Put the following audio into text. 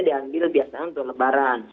yang biasanya diambil untuk lebaran